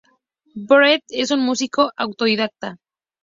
Brett es un músico autodidacta.